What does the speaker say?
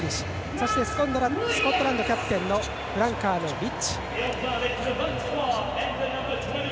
そしてスコットランドキャプテンフランカーのリッチ。